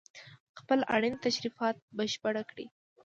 خپل اړين تشريفات بشپړ کړي